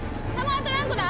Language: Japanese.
あと何個だ？